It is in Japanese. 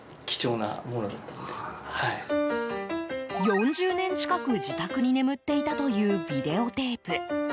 ４０年近く自宅に眠っていたというビデオテープ。